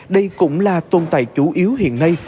đây cũng là tôn tài chủ yếu hiện nay